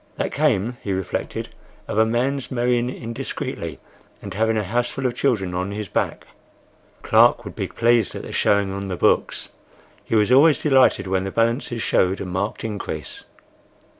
That came, he reflected, of a man's marrying indiscreetly and having a houseful of children on his back. Clark would be pleased at the showing on the books. He was always delighted when the balances showed a marked increase.